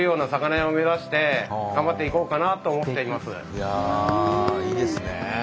いやあいいですね。